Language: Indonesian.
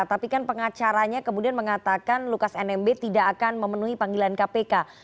tapi kan pengacaranya kemudian mengatakan lukas nmb tidak akan memenuhi panggilan kpk